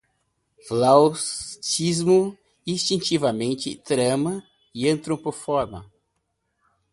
Faustiano, instintivamente, trama, antropomorfa